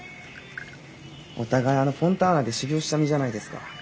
お互いあのフォンターナで修業した身じゃないですか。